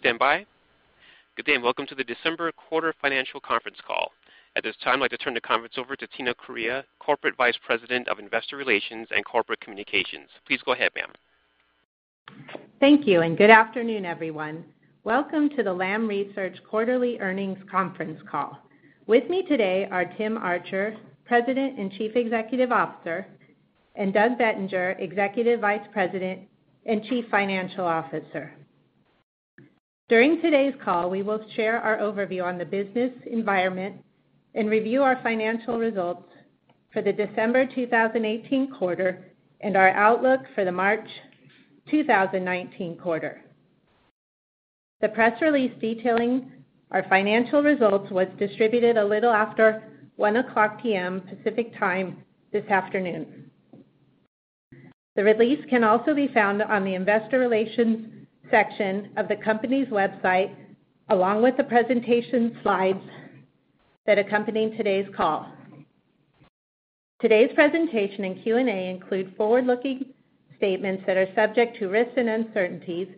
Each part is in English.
Please stand by. Good day. Welcome to the December quarter financial conference call. At this time, I'd like to turn the conference over to Tina Correia, Corporate Vice President of Investor Relations and Corporate Communications. Please go ahead, ma'am. Thank you. Good afternoon, everyone. Welcome to the Lam Research quarterly earnings conference call. With me today are Tim Archer, President and Chief Executive Officer, and Doug Bettinger, Executive Vice President and Chief Financial Officer. During today's call, we will share our overview on the business environment and review our financial results for the December 2018 quarter, and our outlook for the March 2019 quarter. The press release detailing our financial results was distributed a little after 1:00 P.M. Pacific Time this afternoon. The release can also be found on the investor relations section of the company's website, along with the presentation slides that accompany today's call. Today's presentation and Q&A include forward-looking statements that are subject to risks and uncertainties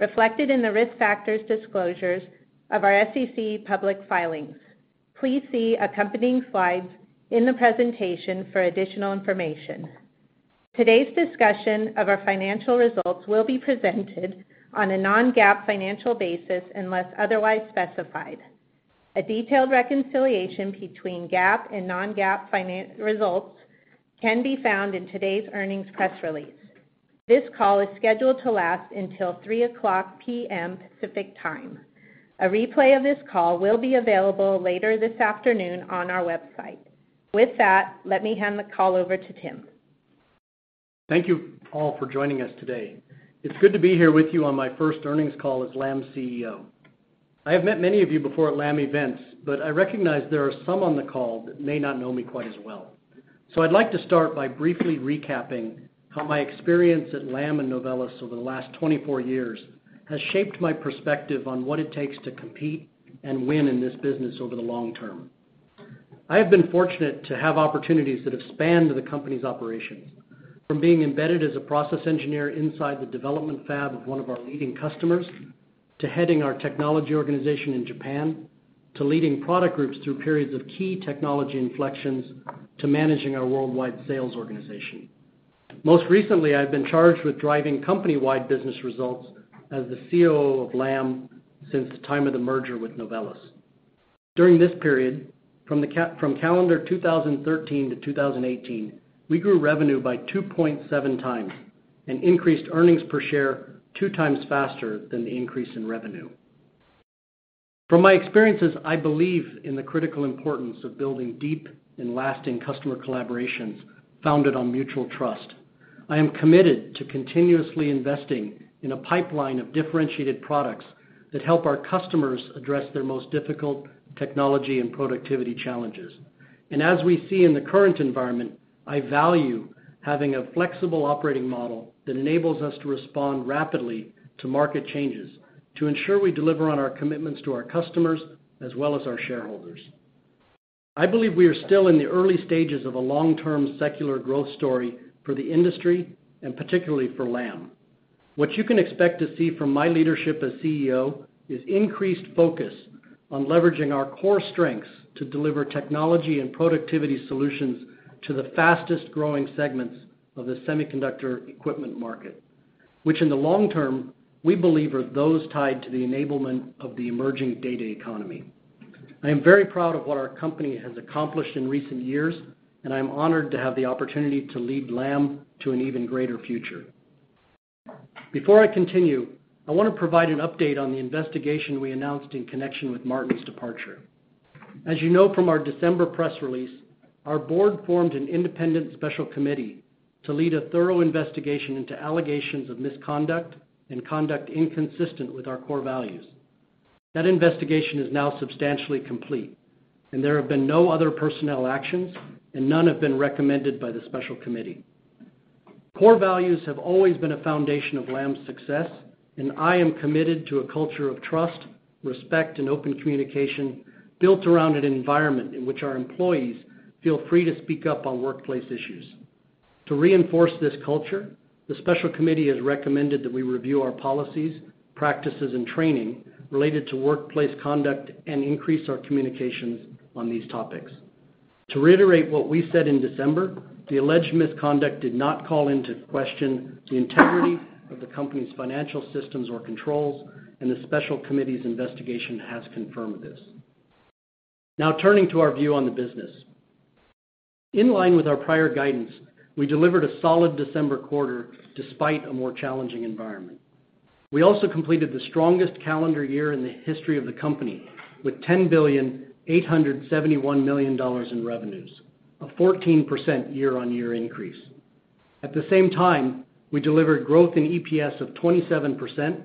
reflected in the risk factors disclosures of our SEC public filings. Please see accompanying slides in the presentation for additional information. Today's discussion of our financial results will be presented on a non-GAAP financial basis unless otherwise specified. A detailed reconciliation between GAAP and non-GAAP financial results can be found in today's earnings press release. This call is scheduled to last until 3:00 P.M. Pacific Time. A replay of this call will be available later this afternoon on our website. With that, let me hand the call over to Tim. Thank you all for joining us today. It's good to be here with you on my first earnings call as Lam's CEO. I have met many of you before at Lam events, but I recognize there are some on the call that may not know me quite as well. I'd like to start by briefly recapping how my experience at Lam and Novellus over the last 24 years has shaped my perspective on what it takes to compete and win in this business over the long term. I have been fortunate to have opportunities that have spanned the company's operations, from being embedded as a process engineer inside the development fab of one of our leading customers, to heading our technology organization in Japan, to leading product groups through periods of key technology inflections, to managing our worldwide sales organization. Most recently, I've been charged with driving company-wide business results as the COO of Lam since the time of the merger with Novellus. During this period, from calendar 2013 to 2018, we grew revenue by 2.7 times and increased earnings per share two times faster than the increase in revenue. From my experiences, I believe in the critical importance of building deep and lasting customer collaborations founded on mutual trust. I am committed to continuously investing in a pipeline of differentiated products that help our customers address their most difficult technology and productivity challenges. As we see in the current environment, I value having a flexible operating model that enables us to respond rapidly to market changes to ensure we deliver on our commitments to our customers as well as our shareholders. I believe we are still in the early stages of a long-term secular growth story for the industry, and particularly for Lam. What you can expect to see from my leadership as CEO is increased focus on leveraging our core strengths to deliver technology and productivity solutions to the fastest-growing segments of the semiconductor equipment market, which in the long term, we believe are those tied to the enablement of the emerging data economy. I am very proud of what our company has accomplished in recent years, and I am honored to have the opportunity to lead Lam to an even greater future. Before I continue, I want to provide an update on the investigation we announced in connection with Martin's departure. As you know from our December press release, our board formed an independent special committee to lead a thorough investigation into allegations of misconduct and conduct inconsistent with our core values. That investigation is now substantially complete, and there have been no other personnel actions, and none have been recommended by the special committee. Core values have always been a foundation of Lam's success, and I am committed to a culture of trust, respect, and open communication built around an environment in which our employees feel free to speak up on workplace issues. To reinforce this culture, the special committee has recommended that we review our policies, practices, and training related to workplace conduct and increase our communications on these topics. To reiterate what we said in December, the alleged misconduct did not call into question the integrity of the company's financial systems or controls, and the special committee's investigation has confirmed this. Now, turning to our view on the business. In line with our prior guidance, we delivered a solid December quarter despite a more challenging environment. We also completed the strongest calendar year in the history of the company with $10,871,000,000 in revenues, a 14% year-on-year increase. At the same time, we delivered growth in EPS of 27%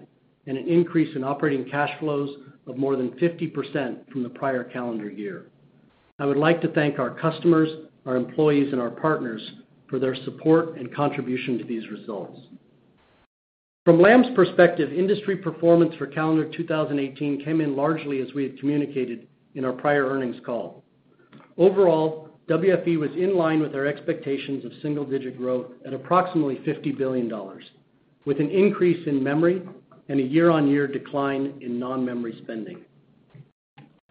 and an increase in operating cash flows of more than 50% from the prior calendar year. I would like to thank our customers, our employees, and our partners for their support and contribution to these results. From Lam's perspective, industry performance for calendar 2018 came in largely as we had communicated in our prior earnings call. Overall, WFE was in line with our expectations of single-digit growth at approximately $50 billion, with an increase in memory and a year-on-year decline in non-memory spending.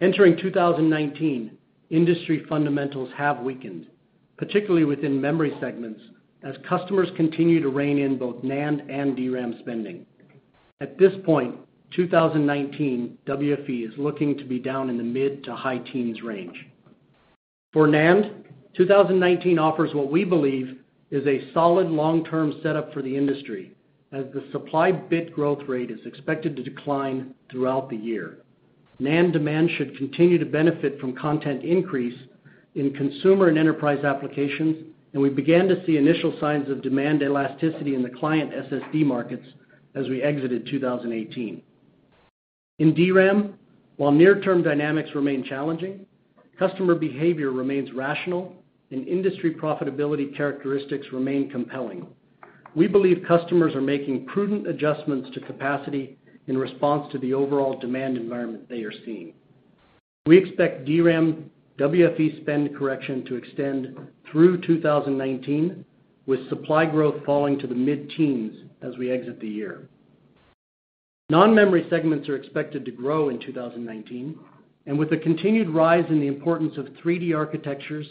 Entering 2019, industry fundamentals have weakened, particularly within memory segments, as customers continue to rein in both NAND and DRAM spending. At this point, 2019 WFE is looking to be down in the mid to high teens range. For NAND, 2019 offers what we believe is a solid long-term setup for the industry, as the supply bit growth rate is expected to decline throughout the year. NAND demand should continue to benefit from content increase in consumer and enterprise applications, and we began to see initial signs of demand elasticity in the client SSD markets as we exited 2018. In DRAM, while near-term dynamics remain challenging, customer behavior remains rational and industry profitability characteristics remain compelling. We believe customers are making prudent adjustments to capacity in response to the overall demand environment they are seeing. We expect DRAM WFE spend correction to extend through 2019, with supply growth falling to the mid-teens as we exit the year. Non-memory segments are expected to grow in 2019, and with a continued rise in the importance of 3D architectures,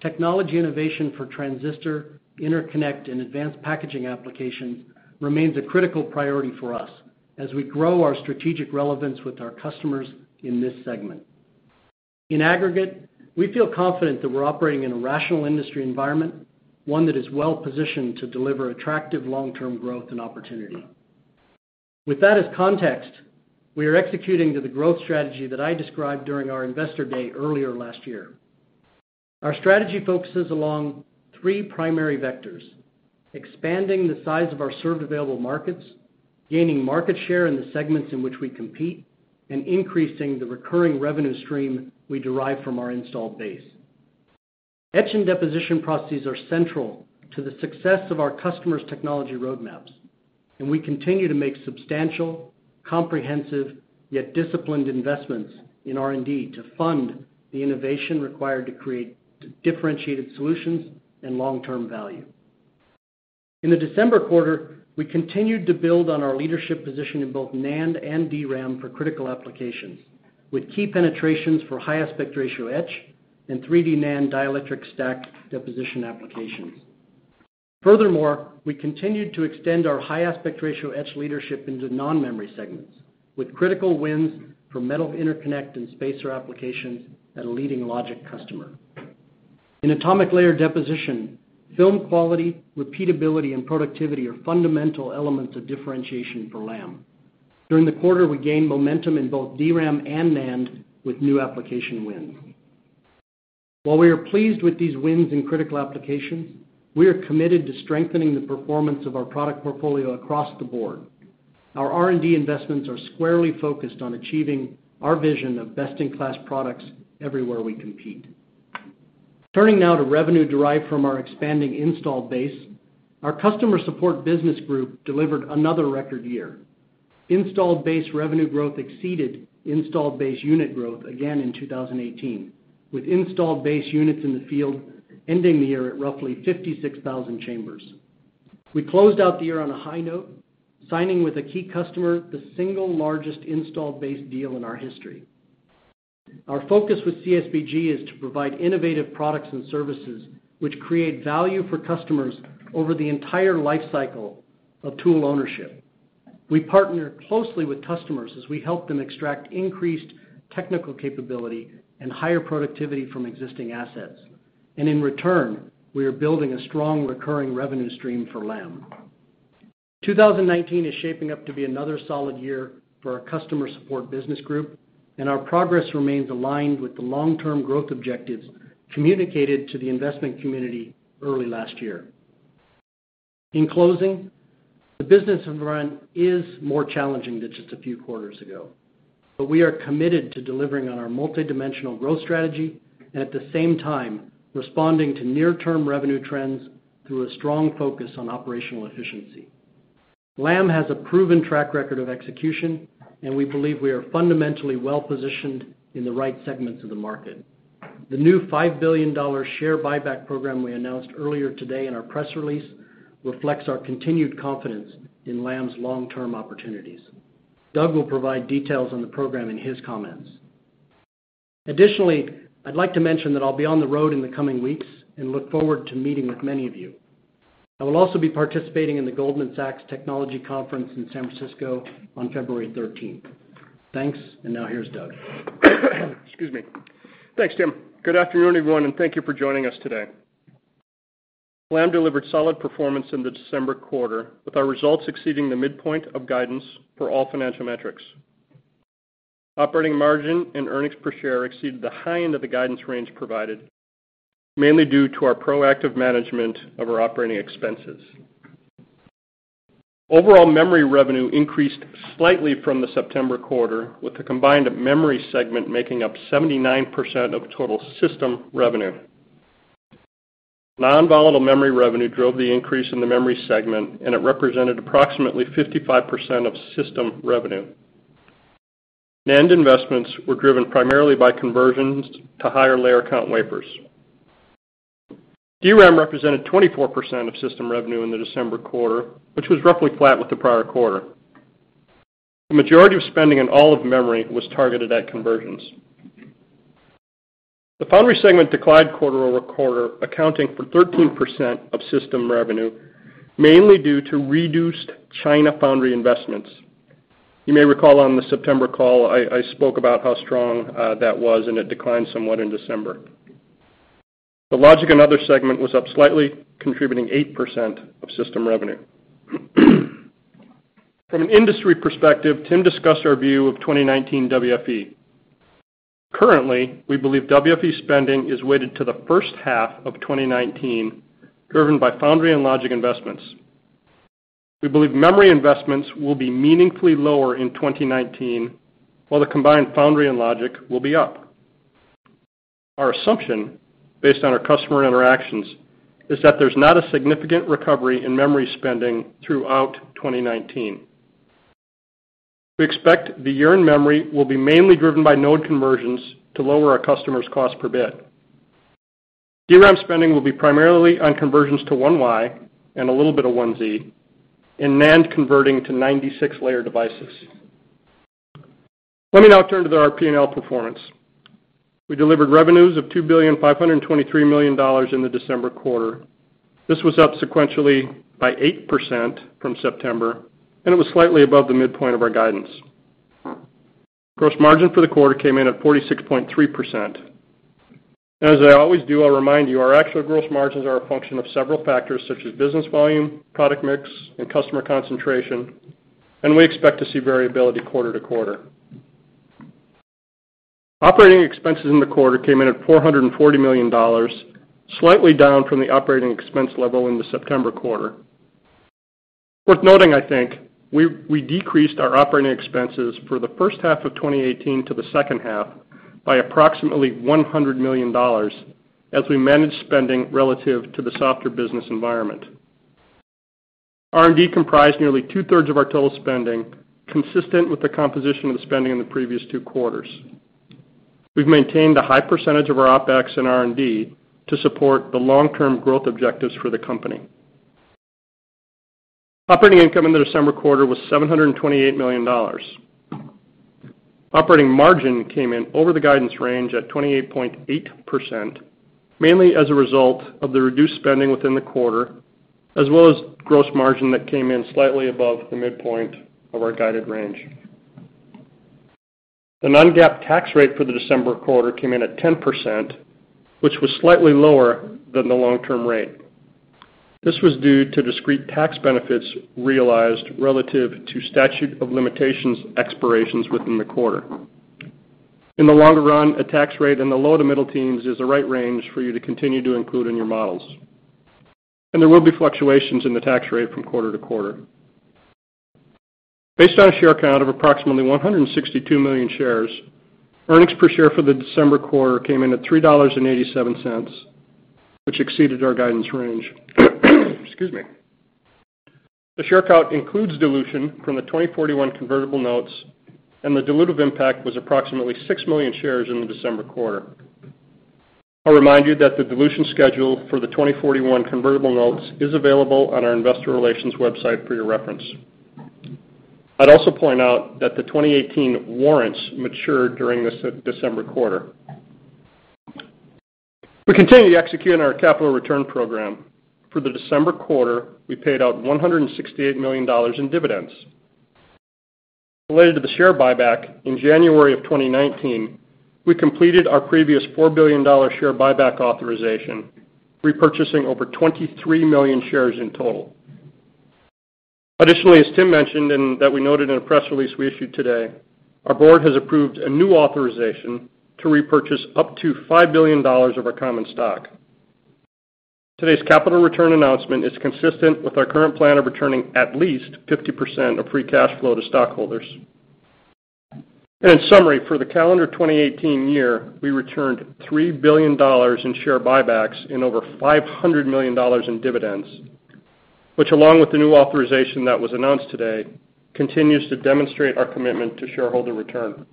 technology innovation for transistor, interconnect, and advanced packaging applications remains a critical priority for us as we grow our strategic relevance with our customers in this segment. In aggregate, we feel confident that we're operating in a rational industry environment, one that is well-positioned to deliver attractive long-term growth and opportunity. With that as context, we are executing to the growth strategy that I described during our investor day earlier last year. Our strategy focuses along three primary vectors: expanding the size of our served available markets, gaining market share in the segments in which we compete, and increasing the recurring revenue stream we derive from our installed base. Etch and deposition processes are central to the success of our customers' technology roadmaps, and we continue to make substantial, comprehensive, yet disciplined investments in R&D to fund the innovation required to create differentiated solutions and long-term value. In the December quarter, we continued to build on our leadership position in both NAND and DRAM for critical applications, with key penetrations for high aspect ratio etch and 3D NAND dielectric stack deposition applications. Furthermore, we continued to extend our high aspect ratio etch leadership into non-memory segments with critical wins for metal interconnect and spacer applications at a leading logic customer. In atomic layer deposition, film quality, repeatability, and productivity are fundamental elements of differentiation for Lam. During the quarter, we gained momentum in both DRAM and NAND with new application wins. While we are pleased with these wins in critical applications, we are committed to strengthening the performance of our product portfolio across the board. Our R&D investments are squarely focused on achieving our vision of best-in-class products everywhere we compete. Turning now to revenue derived from our expanding installed base, our Customer Support Business Group delivered another record year. Installed base revenue growth exceeded installed base unit growth again in 2018, with installed base units in the field ending the year at roughly 56,000 chambers. We closed out the year on a high note, signing with a key customer the single largest installed base deal in our history. Our focus with CSBG is to provide innovative products and services which create value for customers over the entire life cycle of tool ownership. We partner closely with customers as we help them extract increased technical capability and higher productivity from existing assets, and in return, we are building a strong recurring revenue stream for Lam. 2019 is shaping up to be another solid year for our customer support business group and our progress remains aligned with the long-term growth objectives communicated to the investment community early last year. In closing, the business environment is more challenging than just a few quarters ago, but we are committed to delivering on our multidimensional growth strategy and at the same time responding to near-term revenue trends through a strong focus on operational efficiency. Lam has a proven track record of execution, and we believe we are fundamentally well-positioned in the right segments of the market. The new $5 billion share buyback program we announced earlier today in our press release reflects our continued confidence in Lam's long-term opportunities. Doug will provide details on the program in his comments. Additionally, I'd like to mention that I'll be on the road in the coming weeks and look forward to meeting with many of you. I will also be participating in the Goldman Sachs Technology Conference in San Francisco on February 13th. Thanks, and now here's Doug. Excuse me. Thanks, Tim. Good afternoon, everyone, and thank you for joining us today. Lam delivered solid performance in the December quarter, with our results exceeding the midpoint of guidance for all financial metrics. Operating margin and earnings per share exceeded the high end of the guidance range provided, mainly due to our proactive management of our operating expenses. Overall memory revenue increased slightly from the September quarter, with the combined memory segment making up 79% of total system revenue. Non-volatile memory revenue drove the increase in the memory segment, and it represented approximately 55% of system revenue. NAND investments were driven primarily by conversions to higher layer count wafers. DRAM represented 24% of system revenue in the December quarter, which was roughly flat with the prior quarter. The majority of spending in all of memory was targeted at conversions. The foundry segment declined quarter-over-quarter, accounting for 13% of system revenue, mainly due to reduced China foundry investments. You may recall on the September call, I spoke about how strong that was, and it declined somewhat in December. The logic and other segment was up slightly, contributing 8% of system revenue. From an industry perspective, Tim discussed our view of 2019 WFE. Currently, we believe WFE spending is weighted to the first half of 2019, driven by foundry and logic investments. We believe memory investments will be meaningfully lower in 2019, while the combined foundry and logic will be up. Our assumption, based on our customer interactions, is that there's not a significant recovery in memory spending throughout 2019. We expect the year in memory will be mainly driven by node conversions to lower our customers' cost per bit. DRAM spending will be primarily on conversions to 1Y and a little bit of 1Z, and NAND converting to 96-layer devices. Let me now turn to our P&L performance. We delivered revenues of $2,523,000,000 in the December quarter. This was up sequentially by 8% from September, and it was slightly above the midpoint of our guidance. Gross margin for the quarter came in at 46.3%. As I always do, I'll remind you, our actual gross margins are a function of several factors such as business volume, product mix, and customer concentration, and we expect to see variability quarter to quarter. Operating expenses in the quarter came in at $440 million, slightly down from the operating expense level in the September quarter. Worth noting, I think, we decreased our operating expenses for the first half of 2018 to the second half by approximately $100 million as we managed spending relative to the softer business environment. R&D comprised nearly two-thirds of our total spending, consistent with the composition of the spending in the previous two quarters. We've maintained a high percentage of our OpEx in R&D to support the long-term growth objectives for the company. Operating income in the December quarter was $728 million. Operating margin came in over the guidance range at 28.8%, mainly as a result of the reduced spending within the quarter, as well as gross margin that came in slightly above the midpoint of our guided range. The non-GAAP tax rate for the December quarter came in at 10%, which was slightly lower than the long-term rate. This was due to discrete tax benefits realized relative to statute of limitations expirations within the quarter. In the longer run, a tax rate in the low to middle teens is the right range for you to continue to include in your models, and there will be fluctuations in the tax rate from quarter to quarter. Based on a share count of approximately 162 million shares, earnings per share for the December quarter came in at $3.87, which exceeded our guidance range. Excuse me. The share count includes dilution from the 2041 convertible notes, and the dilutive impact was approximately six million shares in the December quarter. I'll remind you that the dilution schedule for the 2041 convertible notes is available on our investor relations website for your reference. I'd also point out that the 2018 warrants matured during this December quarter. We continue to execute on our capital return program. For the December quarter, we paid out $168 million in dividends. Related to the share buyback, in January of 2019, we completed our previous $4 billion share buyback authorization, repurchasing over 23 million shares in total. Additionally, as Tim mentioned, and that we noted in a press release we issued today, our board has approved a new authorization to repurchase up to $5 billion of our common stock. Today's capital return announcement is consistent with our current plan of returning at least 50% of free cash flow to stockholders. In summary, for the calendar 2018 year, we returned $3 billion in share buybacks and over $500 million in dividends, which along with the new authorization that was announced today, continues to demonstrate our commitment to shareholder return.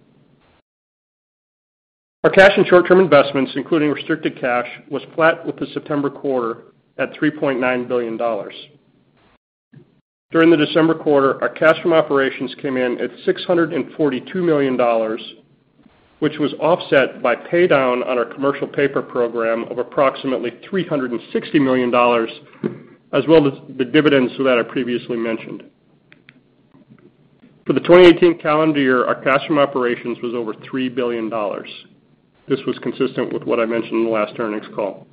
Our cash and short-term investments, including restricted cash, was flat with the September quarter at $3.9 billion. During the December quarter, our cash from operations came in at $642 million, which was offset by paydown on our commercial paper program of approximately $360 million, as well as the dividends that I previously mentioned. For the 2018 calendar year, our cash from operations was over $3 billion. This was consistent with what I mentioned in the last earnings call.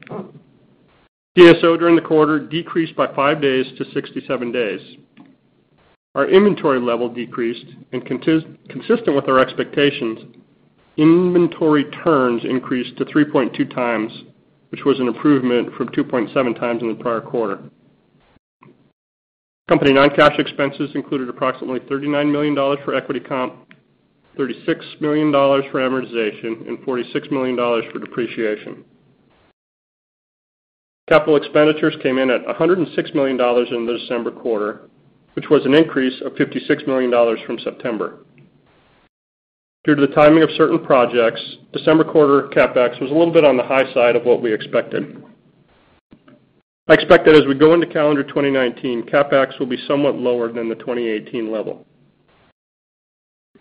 DSO during the quarter decreased by five days to 67 days. Our inventory level decreased, and consistent with our expectations, inventory turns increased to 3.2 times, which was an improvement from 2.7 times in the prior quarter. Company non-cash expenses included approximately $39 million for equity comp, $36 million for amortization, and $46 million for depreciation. Capital expenditures came in at $106 million in the December quarter, which was an increase of $56 million from September. Due to the timing of certain projects, December quarter CapEx was a little bit on the high side of what we expected. I expect that as we go into calendar 2019, CapEx will be somewhat lower than the 2018 level.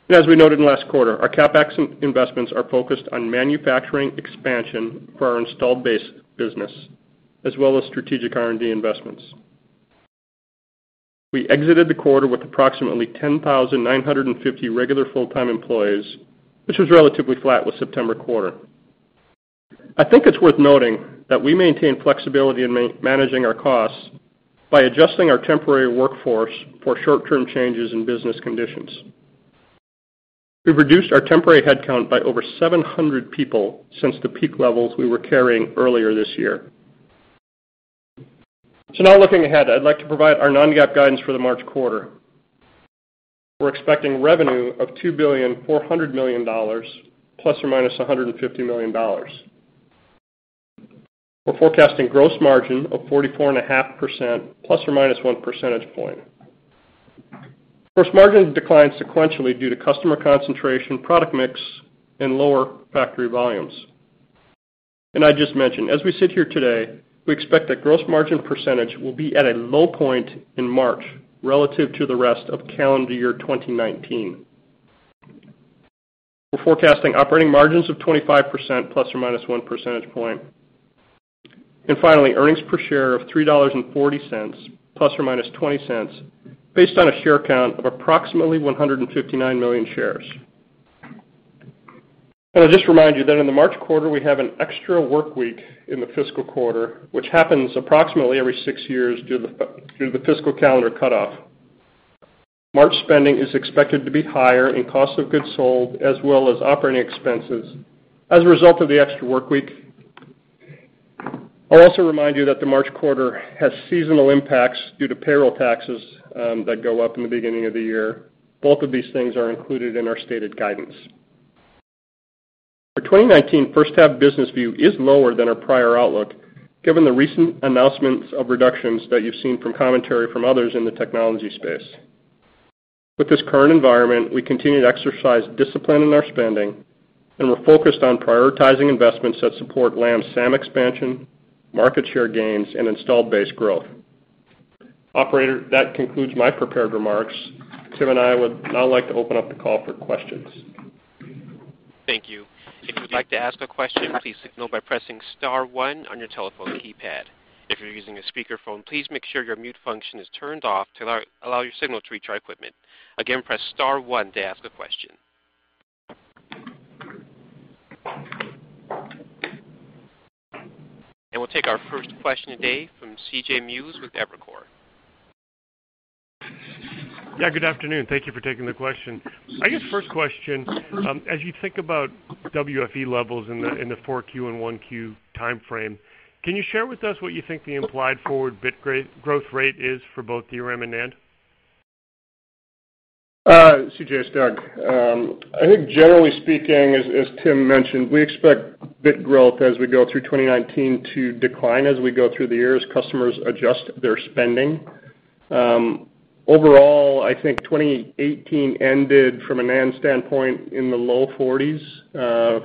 As we noted last quarter, our CapEx investments are focused on manufacturing expansion for our installed base business as well as strategic R&D investments. We exited the quarter with approximately 10,950 regular full-time employees, which was relatively flat with September quarter. I think it's worth noting that we maintain flexibility in managing our costs by adjusting our temporary workforce for short-term changes in business conditions. We've reduced our temporary headcount by over 700 people since the peak levels we were carrying earlier this year. Now looking ahead, I'd like to provide our non-GAAP guidance for the March quarter. We're expecting revenue of $2,400,000,000, ±$150 million. We're forecasting gross margin of 44.5%, ±one percentage point. Gross margin declined sequentially due to customer concentration, product mix, and lower factory volumes. I just mentioned, as we sit here today, we expect that gross margin percentage will be at a low point in March relative to the rest of calendar year 2019. We're forecasting operating margins of 25%, ±one percentage point. Finally, earnings per share of $3.40, ±$0.20, based on a share count of approximately 159 million shares. I'll just remind you that in the March quarter, we have an extra workweek in the fiscal quarter, which happens approximately every six years due to the fiscal calendar cutoff. March spending is expected to be higher in cost of goods sold, as well as operating expenses as a result of the extra workweek. I'll also remind you that the March quarter has seasonal impacts due to payroll taxes that go up in the beginning of the year. Both of these things are included in our stated guidance. Our 2019 first half business view is lower than our prior outlook, given the recent announcements of reductions that you've seen from commentary from others in the technology space. With this current environment, we continue to exercise discipline in our spending, and we're focused on prioritizing investments that support Lam's SAM expansion, market share gains, and installed base growth. Operator, that concludes my prepared remarks. Tim and I would now like to open up the call for questions. Thank you. If you would like to ask a question, please signal by pressing star one on your telephone keypad. If you're using a speakerphone, please make sure your mute function is turned off to allow your signal to reach our equipment. Again, press star one to ask a question. We'll take our first question today from C.J. Muse with Evercore. Yeah, good afternoon. Thank you for taking the question. I guess first question, as you think about WFE levels in the 4Q and 1Q timeframe, can you share with us what you think the implied forward bit growth rate is for both DRAM and NAND? C.J., it's Doug. I think generally speaking, as Tim mentioned, we expect bit growth as we go through 2019 to decline as we go through the year as customers adjust their spending. Overall, I think 2018 ended from a NAND standpoint in the low 40s.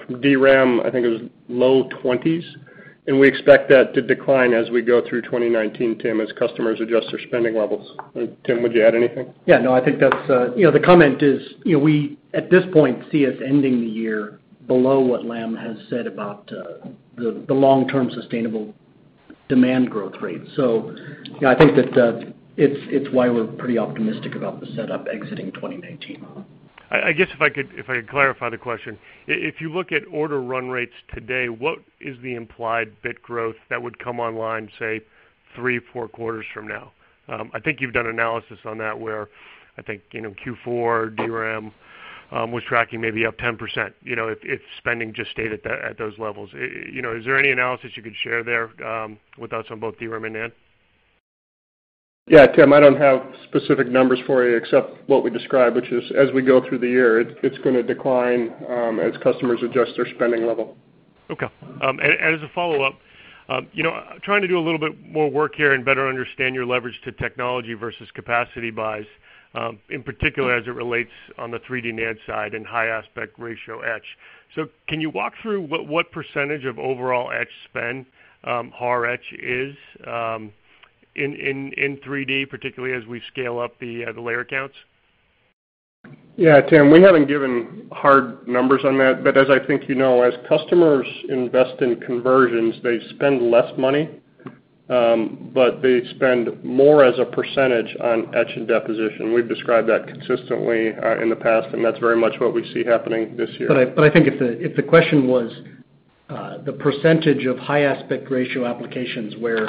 From DRAM, I think it was low 20s, we expect that to decline as we go through 2019, Tim, as customers adjust their spending levels. Tim, would you add anything? Yeah, no. I think the comment is, we, at this point, see us ending the year below what Lam has said about the long-term sustainable demand growth rate. Yeah, I think that it's why we're pretty optimistic about the setup exiting 2019. I guess if I could clarify the question. If you look at order run rates today, what is the implied bit growth that would come online, say, three, four quarters from now? I think you've done analysis on that where I think Q4 DRAM was tracking maybe up 10%, if spending just stayed at those levels. Is there any analysis you could share there with us on both DRAM and NAND? Yeah, Tim, I don't have specific numbers for you except what we described, which is as we go through the year, it's going to decline as customers adjust their spending level. Okay. As a follow-up, trying to do a little bit more work here and better understand your leverage to technology versus capacity buys, in particular as it relates on the 3D NAND side and high aspect ratio etch. Can you walk through what % of overall etch spend HAR etch is in 3D, particularly as we scale up the layer counts? Yeah, Tim, we haven't given hard numbers on that, but as I think you know, as customers invest in conversions, they spend less money, but they spend more as a % on etch and deposition. We've described that consistently in the past, that's very much what we see happening this year. I think if the question was the percentage of high aspect ratio applications where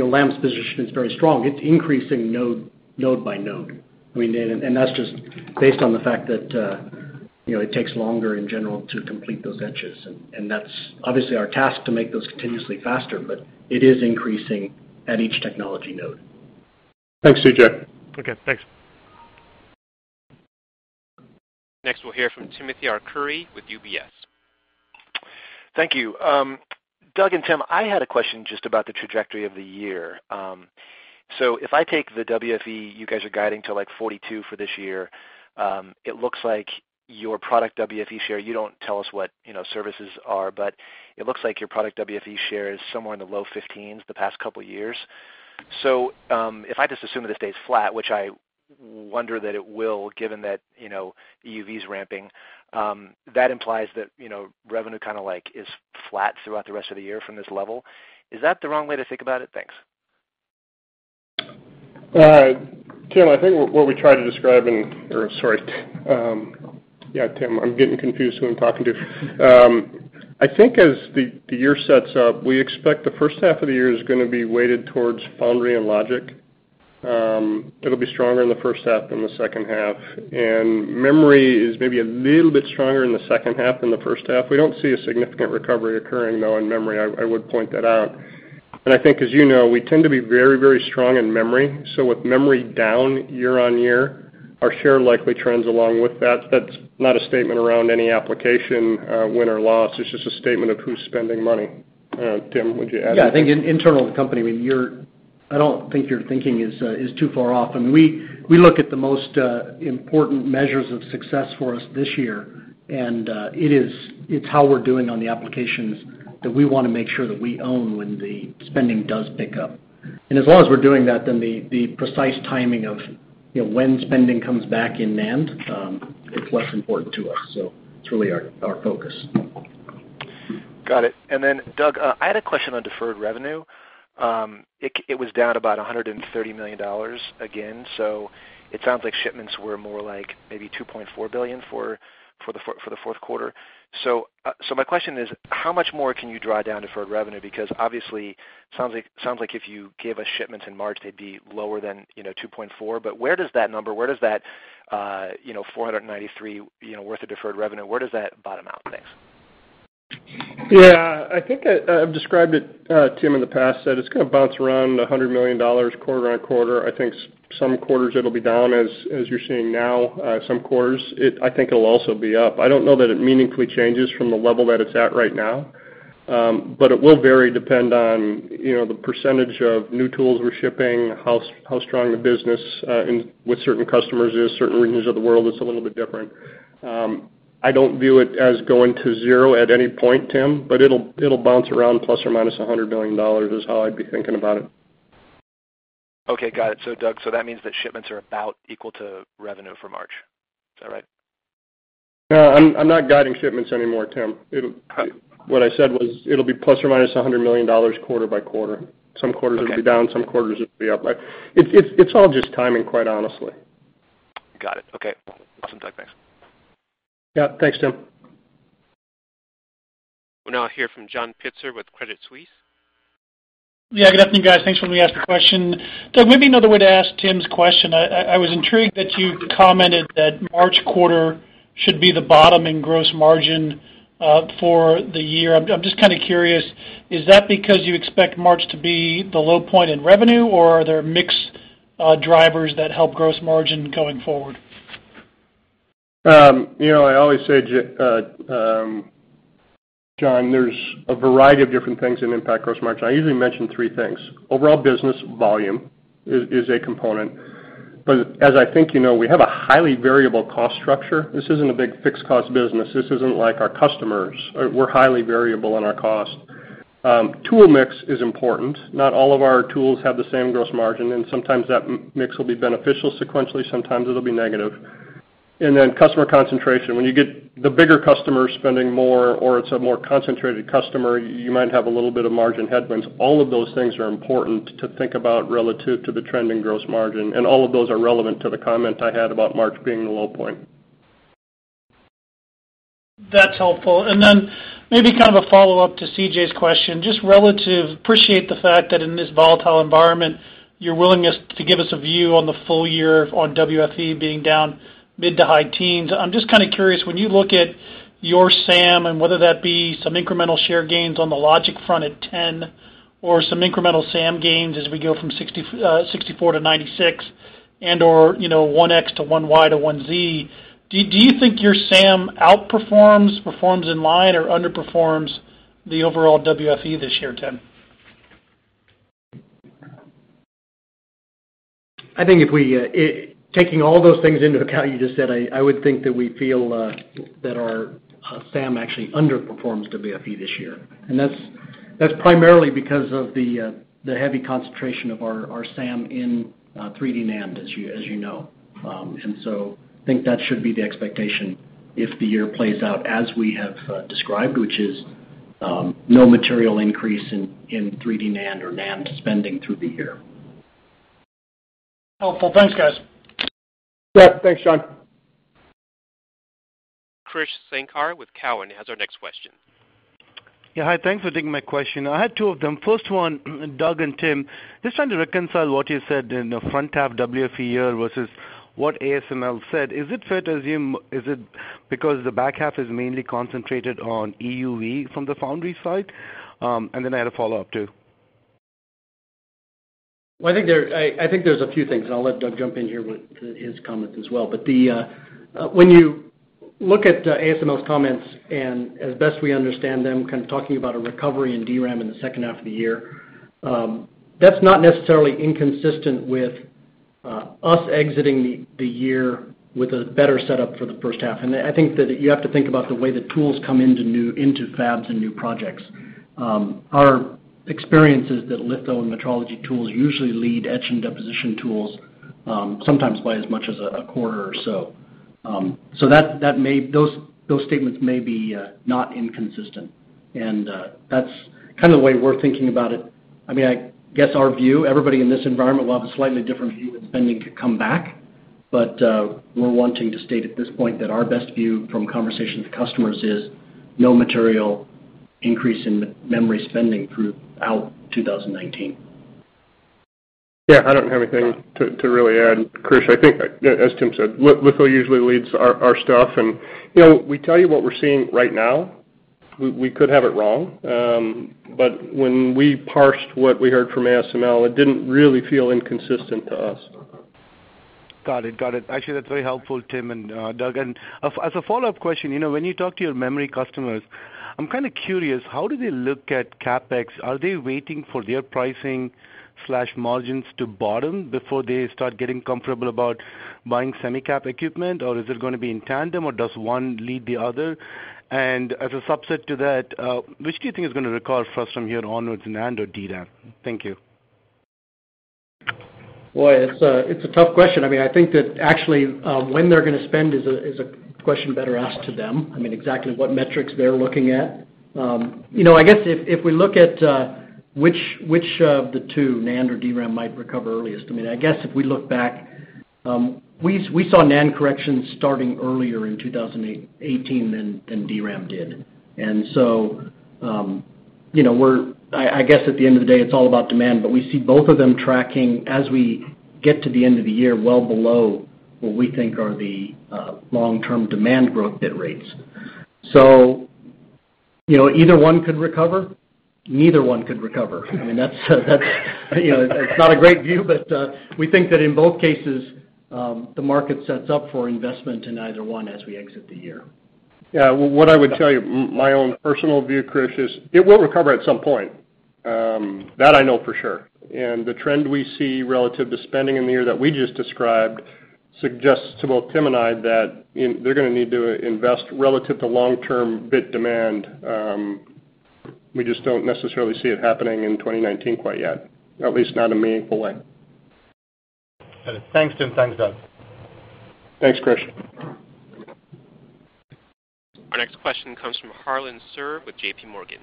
Lam's position is very strong, it's increasing node by node. That's just based on the fact that it takes longer in general to complete those etches, and that's obviously our task to make those continuously faster, but it is increasing at each technology node. Thanks, C.J. Okay, thanks. Next, we'll hear from Timothy Arcuri with UBS. Thank you. Doug and Tim, I had a question just about the trajectory of the year. If I take the WFE, you guys are guiding to like $42 billion for this year, it looks like your product WFE share, you don't tell us what services are, but it looks like your product WFE share is somewhere in the low 15s the past couple of years. If I just assume that it stays flat, which I wonder that it will, given that EUV is ramping, that implies that revenue is flat throughout the rest of the year from this level. Is that the wrong way to think about it? Thanks. Tim, I'm getting confused who I'm talking to. I think as the year sets up, we expect the first half of the year is going to be weighted towards foundry and logic. It'll be stronger in the first half than the second half, and memory is maybe a little bit stronger in the second half than the first half. We don't see a significant recovery occurring, though, in memory, I would point that out. I think as you know, we tend to be very, very strong in memory. With memory down year-on-year, our share likely trends along with that. That's not a statement around any application, win or loss. It's just a statement of who's spending money. Tim, would you add anything? Yeah, I think internal to the company, I don't think your thinking is too far off. We look at the most important measures of success for us this year, and it's how we're doing on the applications that we want to make sure that we own when the spending does pick up. As long as we're doing that, then the precise timing of when spending comes back in NAND, it's less important to us. It's really our focus. Got it. Doug, I had a question on deferred revenue. It was down about $130 million again, so it sounds like shipments were more like maybe $2.4 billion for the fourth quarter. My question is, how much more can you draw down deferred revenue? Obviously, sounds like if you give us shipments in March, they'd be lower than $2.4 billion, but where does that number, where does that $493 million worth of deferred revenue, where does that bottom out? Thanks. Yeah. I think I've described it, Tim, in the past, that it's going to bounce around $100 million quarter-on-quarter. I think some quarters it'll be down as you're seeing now. Some quarters, I think it'll also be up. I don't know that it meaningfully changes from the level that it's at right now. It will vary depend on the percentage of new tools we're shipping, how strong the business with certain customers is, certain regions of the world, it's a little bit different. I don't view it as going to zero at any point, Tim, but it'll bounce around ±$100 million is how I'd be thinking about it. Okay, got it. Doug, that means that shipments are about equal to revenue for March. Is that right? No, I'm not guiding shipments anymore, Tim. What I said was it'll be ±$100 million quarter-by-quarter. Some quarters it'll be down, some quarters it'll be up. It's all just timing, quite honestly. Got it. Okay. Listen, Doug, thanks. Thanks, Tim. We'll now hear from John Pitzer with Credit Suisse. Good afternoon, guys. Thanks for letting me ask the question. Doug, maybe another way to ask Tim's question, I was intrigued that you commented that March quarter should be the bottom in gross margin for the year. I'm just kind of curious, is that because you expect March to be the low point in revenue, or are there mix drivers that help gross margin going forward? I always say, John, there's a variety of different things that impact gross margin. I usually mention three things. Overall business volume is a component. As I think you know, we have a highly variable cost structure. This isn't a big fixed cost business. This isn't like our customers. We're highly variable in our cost. Tool mix is important. Not all of our tools have the same gross margin, and sometimes that mix will be beneficial sequentially, sometimes it'll be negative. Then customer concentration. When you get the bigger customers spending more or it's a more concentrated customer, you might have a little bit of margin headwinds. All of those things are important to think about relative to the trending gross margin, and all of those are relevant to the comment I had about March being the low point. That's helpful. Maybe kind of a follow-up to C.J.'s question, just relative, appreciate the fact that in this volatile environment, your willingness to give us a view on the full year on WFE being down mid-to-high teens. I'm just kind of curious, when you look at your SAM and whether that be some incremental share gains on the logic front at 10 or some incremental SAM gains as we go from 64-layer to 96 and/or 1X to 1Y to 1Z, do you think your SAM outperforms, performs in line, or underperforms the overall WFE this year, Tim? I think taking all those things into account you just said, I would think that we feel that our SAM actually underperforms WFE this year, and that's primarily because of the heavy concentration of our SAM in 3D NAND, as you know. I think that should be the expectation if the year plays out as we have described, which is no material increase in 3D NAND or NAND spending through the year. Helpful. Thanks, guys. Yeah. Thanks, John. Krish Sankar with Cowen has our next question. Yeah. Hi, thanks for taking my question. I had two of them. First one, Doug and Tim, just trying to reconcile what you said in the front half WFE year versus what ASML said. Is it fair to assume, is it because the back half is mainly concentrated on EUV from the foundry side? Then I had a follow-up, too. Well, I think there's a few things, and I'll let Doug jump in here with his comment as well. When you look at ASML's comments and as best we understand them, kind of talking about a recovery in DRAM in the second half of the year, that's not necessarily inconsistent with us exiting the year with a better setup for the first half. I think that you have to think about the way that tools come into fabs and new projects. Our experience is that litho and metrology tools usually lead etch and deposition tools, sometimes by as much as a quarter or so. Those statements may be not inconsistent, and that's kind of the way we're thinking about it. I guess our view, everybody in this environment will have a slightly different view of when spending could come back. We're wanting to state at this point that our best view from conversations with customers is no material increase in memory spending throughout 2019. Yeah. I don't have anything to really add, Krish. I think, as Tim said, litho usually leads our stuff, and we tell you what we're seeing right now. We could have it wrong. When we parsed what we heard from ASML, it didn't really feel inconsistent to us. Got it. Actually, that's very helpful, Tim and Doug. As a follow-up question, when you talk to your memory customers, I'm kind of curious, how do they look at CapEx? Are they waiting for their pricing/margins to bottom before they start getting comfortable about buying semi-cap equipment? Is it going to be in tandem, or does one lead the other? As a subset to that, which do you think is going to recover first from here onwards, NAND or DRAM? Thank you. Boy, it's a tough question. I think that actually, when they're going to spend is a question better asked to them. Exactly what metrics they're looking at. I guess if we look at which of the two, NAND or DRAM, might recover earliest. I guess if we look back, we saw NAND corrections starting earlier in 2018 than DRAM did. I guess at the end of the day, it's all about demand, but we see both of them tracking as we get to the end of the year well below what we think are the long-term demand growth bit rates. Either one could recover. Neither one could recover. It's not a great view, but we think that in both cases, the market sets up for investment in either one as we exit the year. Yeah. What I would tell you, my own personal view, Krish, is it will recover at some point. That I know for sure. The trend we see relative to spending in the year that we just described suggests to both Tim and I that they're going to need to invest relative to long-term bit demand. We just don't necessarily see it happening in 2019 quite yet, at least not in a meaningful way. Got it. Thanks, Tim. Thanks, Doug. Thanks, Krish. Our next question comes from Harlan Sur with J.P. Morgan.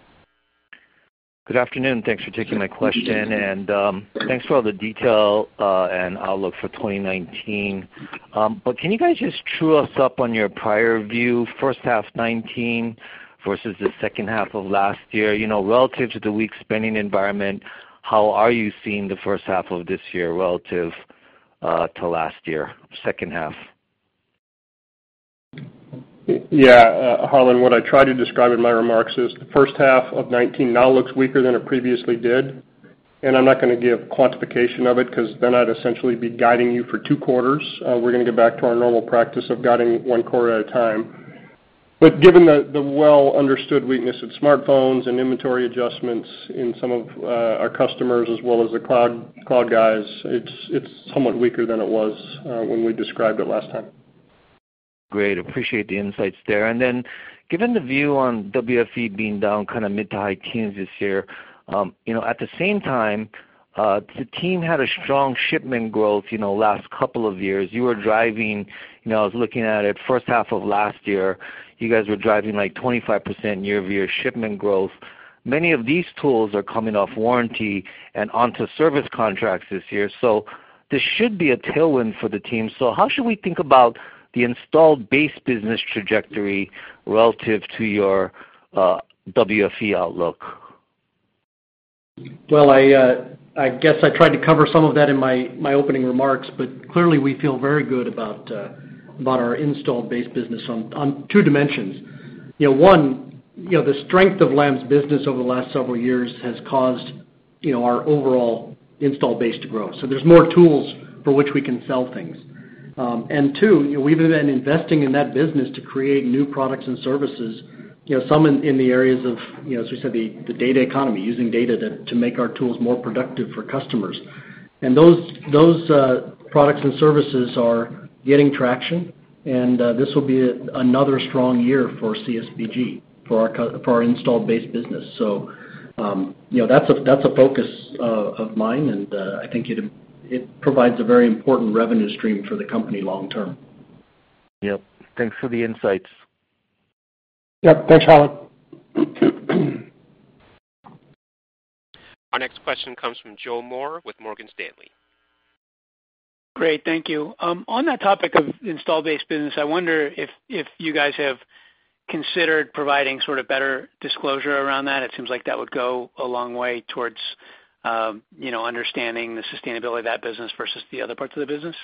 Good afternoon, thanks for taking my question, and thanks for all the detail and outlook for 2019. Can you guys just true us up on your prior view, first half 2019 versus the second half of last year? Relative to the weak spending environment, how are you seeing the first half of this year relative to last year, second half? Harlan, what I tried to describe in my remarks is the first half of 2019 now looks weaker than it previously did. I'm not going to give quantification of it because then I'd essentially be guiding you for two quarters. We're going to get back to our normal practice of guiding one quarter at a time. Given the well-understood weakness in smartphones and inventory adjustments in some of our customers as well as the cloud guys, it's somewhat weaker than it was when we described it last time. Great. Appreciate the insights there. Given the view on WFE being down kind of mid to high teens this year, at the same time, the team had a strong shipment growth last couple of years. I was looking at it first half of last year, you guys were driving 25% year-over-year shipment growth. Many of these tools are coming off warranty and onto service contracts this year. This should be a tailwind for the team. How should we think about the installed base business trajectory relative to your WFE outlook? Well, I guess I tried to cover some of that in my opening remarks. Clearly we feel very good about our installed base business on two dimensions. One, the strength of Lam's business over the last several years has caused our overall installed base to grow. There's more tools for which we can sell things. Two, we've been investing in that business to create new products and services, some in the areas of, as we said, the data economy, using data to make our tools more productive for customers. Those products and services are getting traction, and this will be another strong year for CSBG, for our installed base business. That's a focus of mine, and I think it provides a very important revenue stream for the company long term. Yep. Thanks for the insights. Yep. Thanks, Harlan. Our next question comes from Joseph Moore with Morgan Stanley. Great. Thank you. On that topic of installed base business, I wonder if you guys have considered providing sort of better disclosure around that. It seems like that would go a long way towards understanding the sustainability of that business versus the other parts of the business.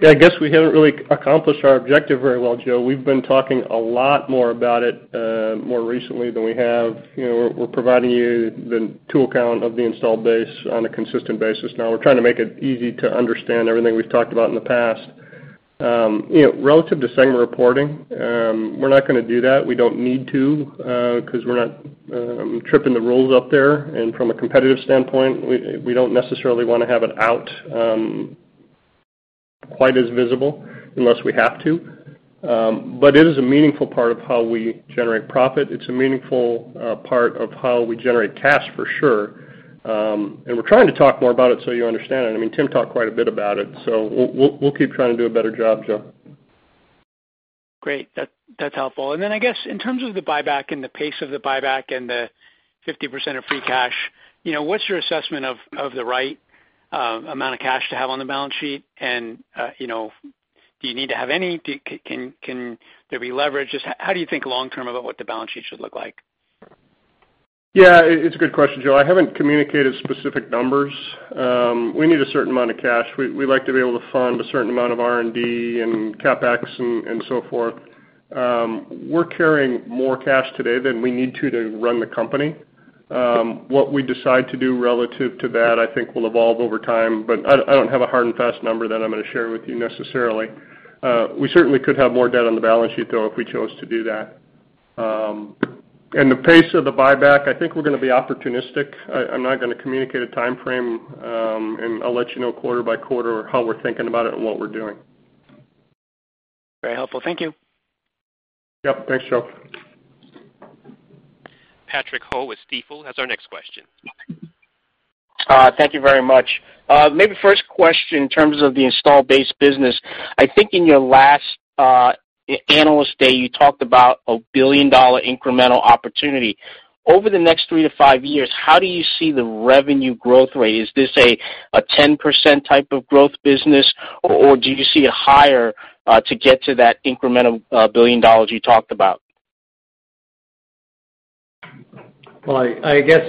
Yeah, I guess we haven't really accomplished our objective very well, Joe. We've been talking a lot more about it more recently than we have. We're providing you the tool count of the installed base on a consistent basis now. We're trying to make it easy to understand everything we've talked about in the past. Relative to segment reporting, we're not going to do that. We don't need to, because we're not tripping the rules up there, and from a competitive standpoint, we don't necessarily want to have it out quite as visible unless we have to. It is a meaningful part of how we generate profit. It's a meaningful part of how we generate cash, for sure. We're trying to talk more about it, so you understand it. I mean, Tim talked quite a bit about it, We'll keep trying to do a better job, Joe. Great. That's helpful. I guess in terms of the buyback and the pace of the buyback and the 50% of free cash, what's your assessment of the right amount of cash to have on the balance sheet? Do you need to have any? Can there be leverage? Just how do you think long term about what the balance sheet should look like? Yeah, it's a good question, Joe. I haven't communicated specific numbers. We need a certain amount of cash. We like to be able to fund a certain amount of R&D and CapEx and so forth. We're carrying more cash today than we need to run the company. What we decide to do relative to that, I think, will evolve over time, but I don't have a hard and fast number that I'm going to share with you necessarily. We certainly could have more debt on the balance sheet, though, if we chose to do that. The pace of the buyback, I think we're going to be opportunistic. I'm not going to communicate a timeframe, and I'll let you know quarter by quarter how we're thinking about it and what we're doing. Very helpful. Thank you. Yep. Thanks, Joe. Patrick Ho with Stifel has our next question. Thank you very much. First question in terms of the installed base business. I think in your last Analyst Day, you talked about a billion-dollar incremental opportunity. Over the next three to five years, how do you see the revenue growth rate? Is this a 10% type of growth business, or do you see it higher to get to that incremental $1 billion you talked about? Well, I guess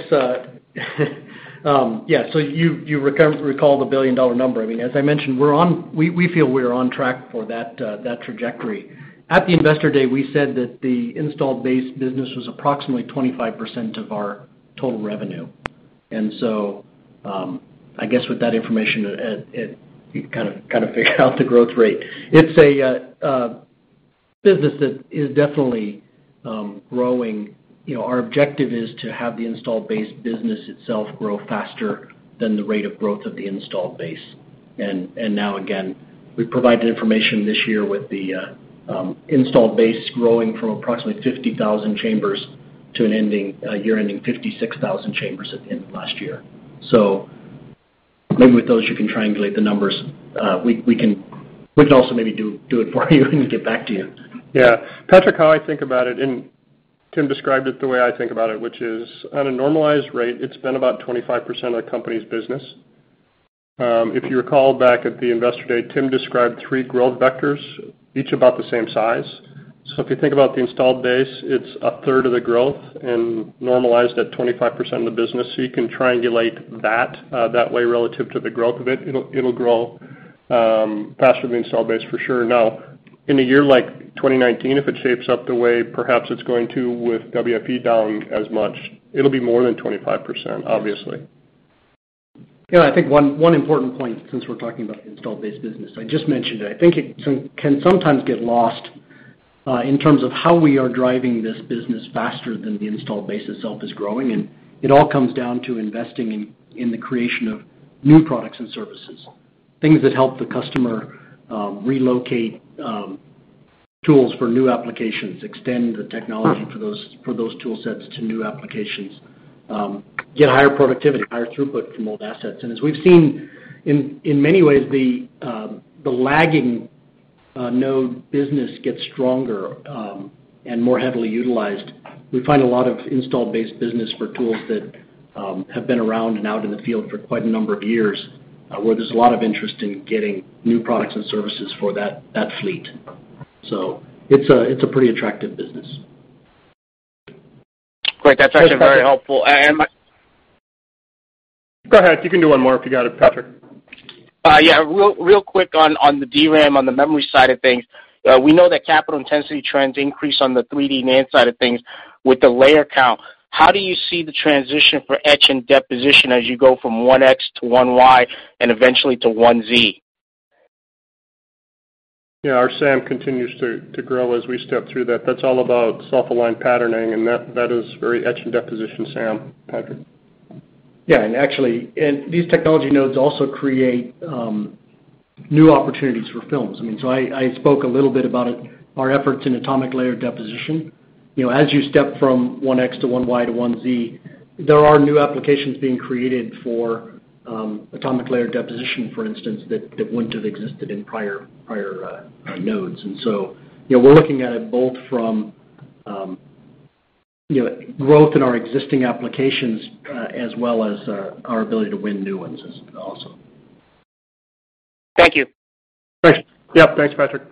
yeah, you recall the billion-dollar number. I mean, as I mentioned, we feel we are on track for that trajectory. At the Investor Day, we said that the installed base business was approximately 25% of our total revenue. I guess with that information, you kind of figure out the growth rate. It's a business that is definitely growing. Our objective is to have the installed base business itself grow faster than the rate of growth of the installed base. Again, we provided information this year with the installed base growing from approximately 50,000 chambers to a year-ending 56,000 chambers at the end of last year. Maybe with those, you can triangulate the numbers. We can also maybe do it for you and get back to you. Yeah. Patrick, how I think about it, Tim described it the way I think about it, which is on a normalized rate, it's been about 25% of the company's business. If you recall back at the Investor Day, Tim described three growth vectors, each about the same size. If you think about the install base, it's a third of the growth and normalized at 25% of the business. You can triangulate that way relative to the growth of it. It'll grow faster than install base for sure. In a year like 2019, if it shapes up the way perhaps it's going to with WFE down as much, it'll be more than 25%, obviously. I think one important point, since we're talking about installed base business, I just mentioned I think it can sometimes get lost in terms of how we are driving this business faster than the installed base itself is growing, it all comes down to investing in the creation of new products and services. Things that help the customer relocate tools for new applications, extend the technology for those tool sets to new applications, get higher productivity, higher throughput from old assets. As we've seen in many ways, the lagging node business gets stronger and more heavily utilized. We find a lot of installed base business for tools that have been around and out in the field for quite a number of years, where there's a lot of interest in getting new products and services for that fleet. It's a pretty attractive business. Great. That's actually very helpful. Go ahead. You can do one more if you got it, Patrick. Real quick on the DRAM, on the memory side of things. We know that capital intensity trends increase on the 3D NAND side of things with the layer count. How do you see the transition for etch and deposition as you go from 1X to 1Y and eventually to 1Z? Yeah, our SAM continues to grow as we step through that. That's all about self-aligned patterning, and that is very etch and deposition SAM, Patrick. Yeah, actually, these technology nodes also create new opportunities for films. I mean, I spoke a little bit about our efforts in atomic layer deposition. As you step from 1X to 1Y to 1Z, there are new applications being created for atomic layer deposition, for instance, that wouldn't have existed in prior nodes. We're looking at it both from growth in our existing applications as well as our ability to win new ones also. Thank you. Thanks. Yep. Thanks, Patrick.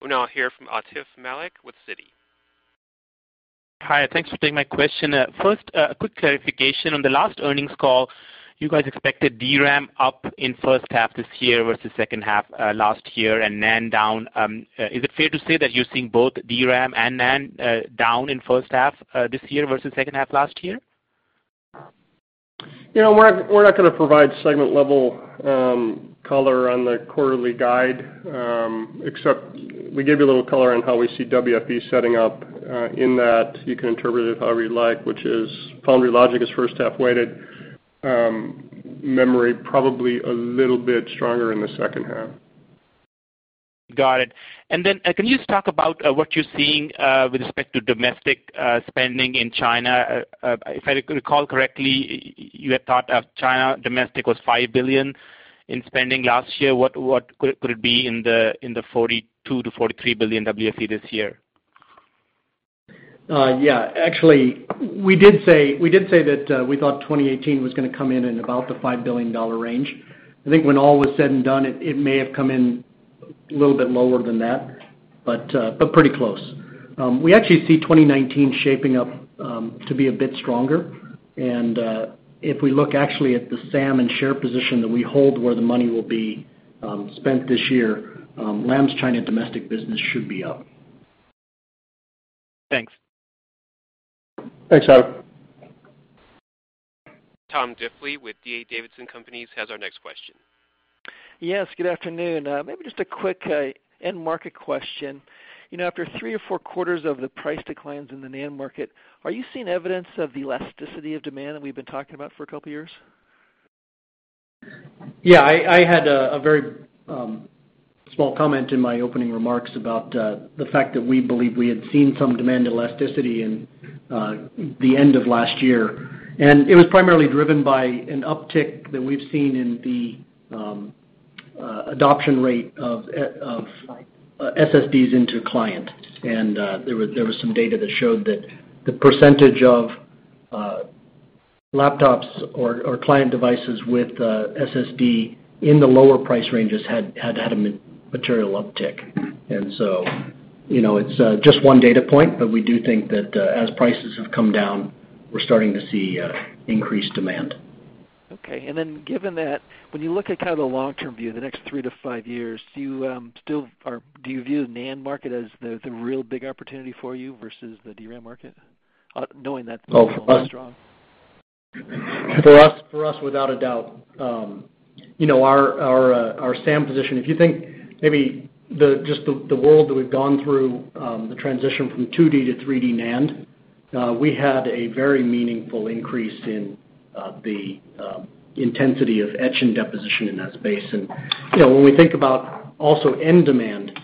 We'll now hear from Atif Malik with Citi. Hi, thanks for taking my question. First, a quick clarification. On the last earnings call, you guys expected DRAM up in the first half this year versus the second half last year, and NAND down. Is it fair to say that you're seeing both DRAM and NAND down in the first half this year versus the second half last year? We're not going to provide segment-level color on the quarterly guide, except we gave you a little color on how we see WFE setting up. You can interpret it however you like, which is Foundry Logic is first half weighted, memory probably a little bit stronger in the second half. Got it. Can you just talk about what you're seeing with respect to domestic spending in China? If I recall correctly, you had thought of China domestic was $5 billion in spending last year. What could it be in the $42 billion-$43 billion WFE this year? Yeah. Actually, we did say that we thought 2018 was going to come in in about the $5 billion range. I think when all was said and done, it may have come in a little bit lower than that, but pretty close. We actually see 2019 shaping up to be a bit stronger, if we look actually at the SAM and share position that we hold where the money will be spent this year, Lam's China domestic business should be up. Thanks. Thanks, Atif. Tom Diffley with D.A. Davidson Companies has our next question. Good afternoon. Maybe just a quick end-market question. After three or four quarters of the price declines in the NAND market, are you seeing evidence of the elasticity of demand that we've been talking about for a couple of years? I had a very small comment in my opening remarks about the fact that we believe we had seen some demand elasticity in the end of last year, it was primarily driven by an uptick that we've seen in the adoption rate of SSDs into client. There was some data that showed that the percentage of laptops or client devices with SSD in the lower price ranges had to have a material uptick. So, it's just one data point, but we do think that as prices have come down, we're starting to see increased demand. Okay. Given that, when you look at kind of the long-term view, the next three to five years, do you view the NAND market as the real big opportunity for you versus the DRAM market, knowing that it's strong? For us, without a doubt. Our SAM position, if you think maybe just the world that we've gone through, the transition from 2D to 3D NAND, we had a very meaningful increase in the intensity of etch and deposition in that space. When we think about also end demand,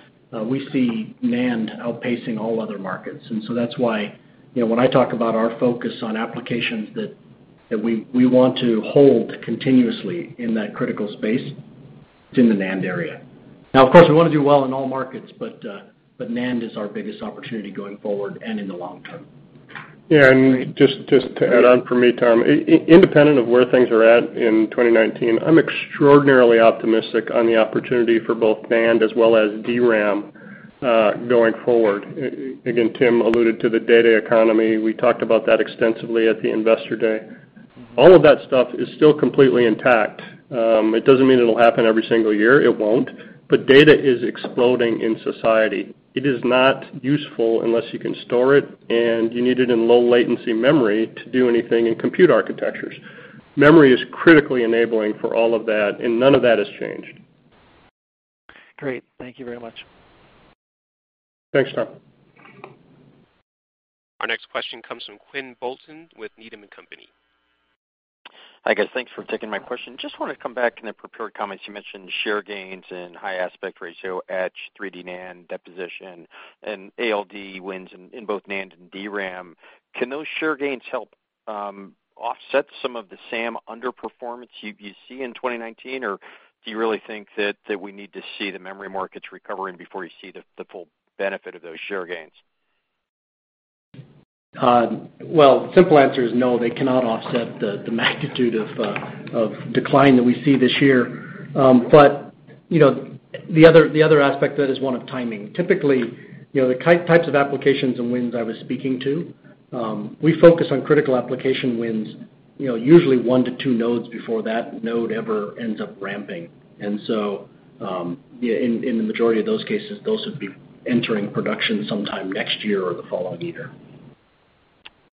we see NAND outpacing all other markets. That's why when I talk about our focus on applications that we want to hold continuously in that critical space, it's in the NAND area. Of course, we want to do well in all markets, NAND is our biggest opportunity going forward and in the long term. Yeah, just to add on for me, Tom, independent of where things are at in 2019, I'm extraordinarily optimistic on the opportunity for both NAND as well as DRAM going forward. Again, Tim alluded to the data economy. We talked about that extensively at the investor day. All of that stuff is still completely intact. It doesn't mean it'll happen every single year. It won't. Data is exploding in society. It is not useful unless you can store it, you need it in low-latency memory to do anything in compute architectures. Memory is critically enabling for all of that, none of that has changed. Great. Thank you very much. Thanks, Tom. Our next question comes from Quinn Bolton with Needham & Company. Hi, guys. Thanks for taking my question. Just want to come back in the prepared comments. You mentioned share gains and high aspect ratio etch, 3D NAND, deposition, and ALD wins in both NAND and DRAM. Do you really think that we need to see the memory markets recovering before you see the full benefit of those share gains? Well, the simple answer is no, they cannot offset the magnitude of decline that we see this year. The other aspect of that is one of timing. Typically, the types of applications and wins I was speaking to, we focus on critical application wins usually one to two nodes before that node ever ends up ramping. In the majority of those cases, those would be entering production sometime next year or the following year.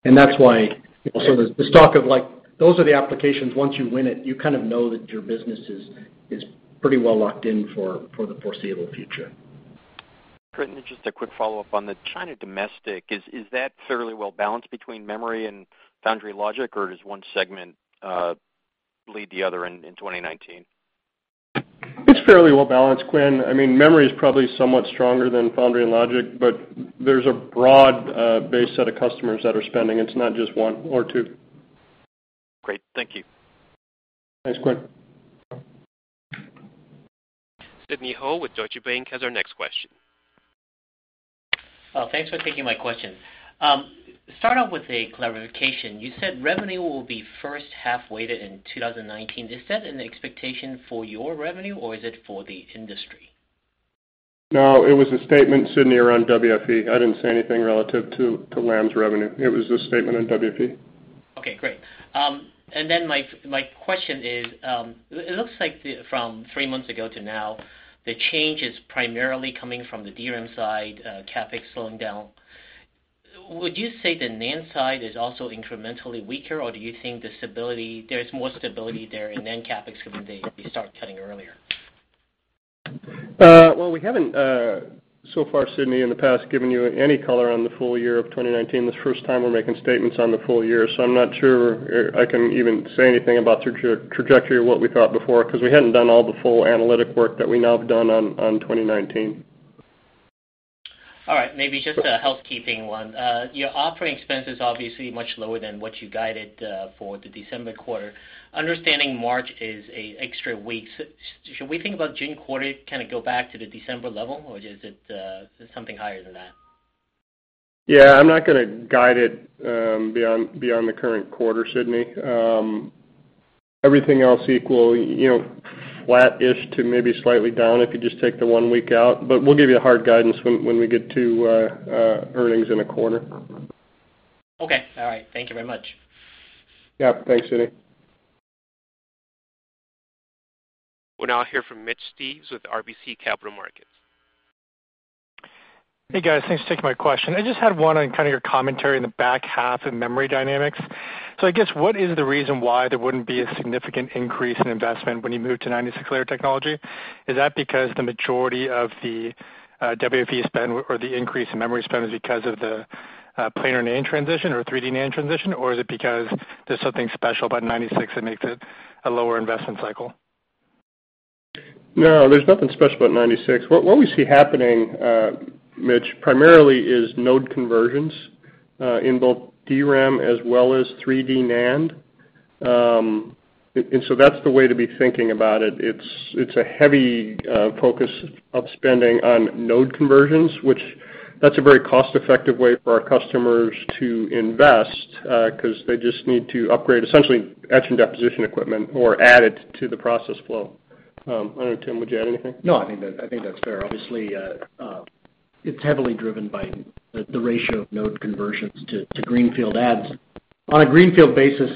That's why, there's this talk of like, those are the applications, once you win it, you kind of know that your business is pretty well locked in for the foreseeable future. Great. Just a quick follow-up on the China domestic. Is that fairly well-balanced between memory and foundry logic, or does one segment lead the other in 2019? It's fairly well-balanced, Quinn. Memory is probably somewhat stronger than foundry and logic, but there's a broad base set of customers that are spending. It's not just one or two. Great. Thank you. Thanks, Quinn. Sidney Ho with Deutsche Bank has our next question. Well, thanks for taking my question. Start off with a clarification. You said revenue will be first half-weighted in 2019. Is that an expectation for your revenue, or is it for the industry? No, it was a statement, Sidney, around WFE. I didn't say anything relative to Lam's revenue. It was a statement on WFE. My question is, it looks like from three months ago to now, the change is primarily coming from the DRAM side, CapEx slowing down. Would you say the NAND side is also incrementally weaker, or do you think there's more stability there and NAND CapEx can be start cutting earlier? We haven't, so far, Sidney, in the past, given you any color on the full year of 2019. This is the first time we're making statements on the full year, I'm not sure I can even say anything about the trajectory of what we thought before, because we hadn't done all the full analytic work that we now have done on 2019. All right. Maybe just a housekeeping one. Your OpEx is obviously much lower than what you guided for the December quarter. Understanding March is an extra week, should we think about June quarter kind of go back to the December level, or is it something higher than that? Yeah, I'm not going to guide it beyond the current quarter, Sidney. Everything else equal, flattish to maybe slightly down if you just take the one week out. We'll give you a hard guidance when we get to earnings in a quarter. Okay. All right. Thank you very much. Yeah. Thanks, Sidney. We'll now hear from Mitch Steves with RBC Capital Markets. Hey, guys. Thanks for taking my question. I just had one on kind of your commentary in the back half of Memory Dynamics. I guess what is the reason why there wouldn't be a significant increase in investment when you move to 96-layer technology? Is that because the majority of the WFE spend or the increase in memory spend is because of the planar NAND transition or 3D NAND transition, or is it because there's something special about 96 that makes it a lower investment cycle? No, there's nothing special about 96. What we see happening, Mitch, primarily is node conversions, in both DRAM as well as 3D NAND. That's the way to be thinking about it. It's a heavy focus of spending on node conversions, which that's a very cost-effective way for our customers to invest, because they just need to upgrade, essentially, etch and deposition equipment or add it to the process flow. I don't know, Tim, would you add anything? I think that's fair. Obviously, it's heavily driven by the ratio of node conversions to greenfield adds. On a greenfield basis,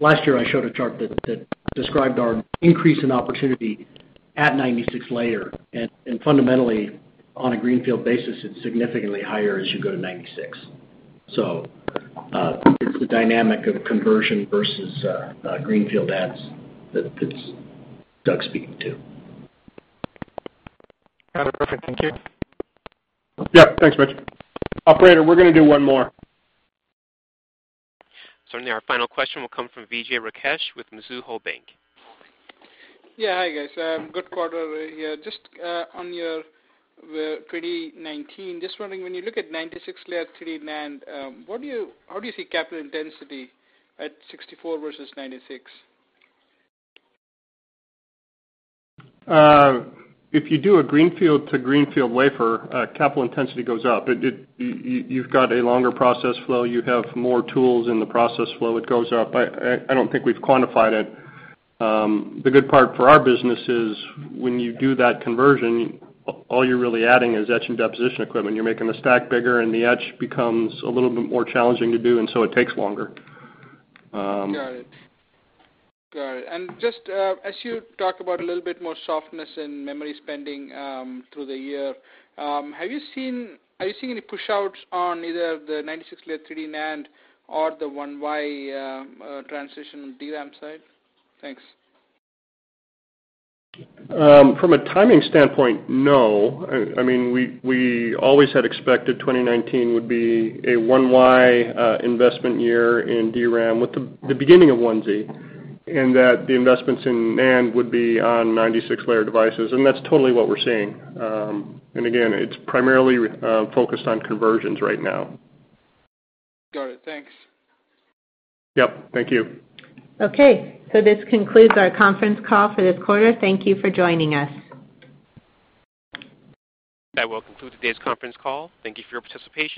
last year I showed a chart that described our increase in opportunity at 96-layer, and fundamentally, on a greenfield basis, it's significantly higher as you go to 96. I think it's the dynamic of conversion versus greenfield adds that Doug's speaking to. Got it. Perfect. Thank you. Thanks, Mitch. Operator, we're going to do one more. Certainly. Our final question will come from Vijay Rakesh with Mizuho Bank. Yeah. Hi, guys. Good quarter here. Just on your 2019, just wondering, when you look at 96-layer 3D NAND, how do you see capital intensity at 64-layer versus 96? If you do a greenfield-to-greenfield wafer, capital intensity goes up. You've got a longer process flow. You have more tools in the process flow. It goes up. I don't think we've quantified it. The good part for our business is when you do that conversion, all you're really adding is etch and deposition equipment. You're making the stack bigger and the etch becomes a little bit more challenging to do, and so it takes longer. Got it. Just as you talk about a little bit more softness in memory spending through the year, are you seeing any push-outs on either the 96-layer 3D NAND or the 1Y transition DRAM side? Thanks. From a timing standpoint, no. We always had expected 2019 would be a 1Y investment year in DRAM with the beginning of 1Z, and that the investments in NAND would be on 96-layer devices, and that's totally what we're seeing. Again, it's primarily focused on conversions right now. Got it. Thanks. Yep. Thank you. Okay. This concludes our conference call for this quarter. Thank you for joining us. That will conclude today's conference call. Thank you for your participation.